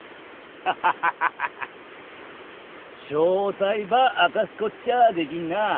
ハハハハ正体ば明かすこっちゃあできんな。